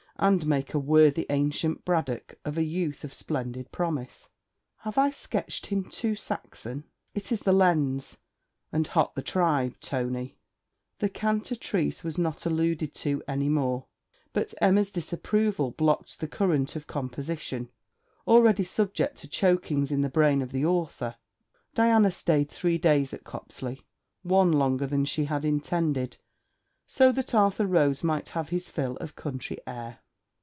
'And make a worthy ancient Braddock of a youth of splendid promise! Have I sketched him too Saxon?' 'It is the lens, and hot the tribe, Tony.' THE CANTATRICE was not alluded to any more; but Emma's disapproval blocked the current of composition, already subject to chokings in the brain of the author. Diana stayed three days at Copsley, one longer than she had intended, so that Arthur Rhodes might have his fill of country air.